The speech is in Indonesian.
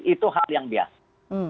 itu hal yang biasa